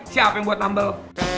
siap yang buat nambel